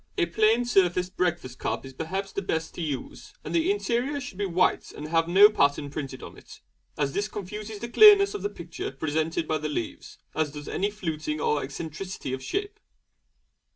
A plain surfaced breakfast cup is perhaps the best to use; and the interior should be white and have no pattern printed upon it, as this confuses the clearness of the picture presented by the leaves, as does any fluting or eccentricity of shape.